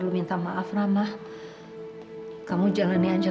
lo memang dapat bantuin yang baru